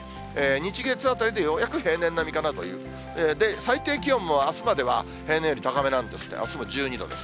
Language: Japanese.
日、月あたりでようやく平年並みかなという、最低気温もあすまでは平年より高めなんですが、あすも１２度です。